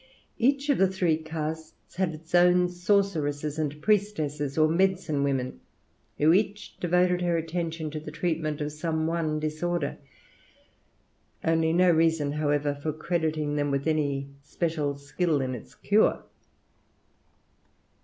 Each of the three castes had its own sorceresses and priestesses, or medicine women, who each devoted her attention to the treatment of some one disorder; only no reason, however, for crediting them with any special skill in its cure.